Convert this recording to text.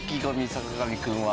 坂上くんは？